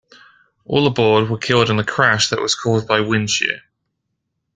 All aboard were killed in a crash that was caused by wind shear.